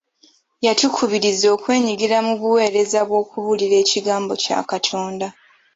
Yatukubirizza okwenyigira mu buweereza bw'okubuulira ekigambo kya Katonda.